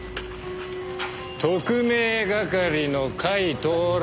特命係の甲斐享。